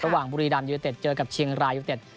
ระหว่างบุรีดำยุทธเจอกับเชียงรายุทธ